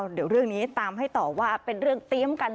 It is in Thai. เดี๋ยวเรื่องนี้ตามให้ต่อว่าเป็นเรื่องเตรียมกัน